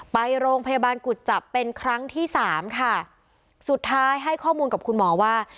ไปโรงพยาบาลกุจจับเป็นครั้งที่สามค่ะสุดท้ายให้ข้อมูลกับคุณหมอว่า